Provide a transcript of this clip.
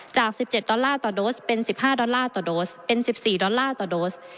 จาก๑๗ดอลลาร์ต่อโดสเป็น๑๕ดอลลาร์ต่อโดสเป็น๑๔ดอลลาร์ต่อโดส